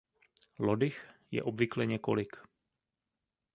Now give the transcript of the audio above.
Lodyh je obvykle několik.